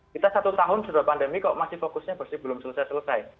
kita satu tahun sudah pandemi kok masih fokusnya masih belum selesai selesai